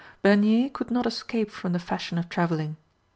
Bernier could not escape from the fashion of travelling.